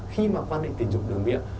khi mà quan hệ tình dục đường miệng